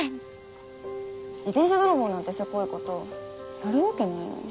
自転車泥棒なんてセコいことやるわけないのに。